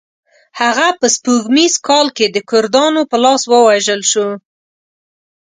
هغه په سپوږمیز کال کې د کردانو په لاس ووژل شو.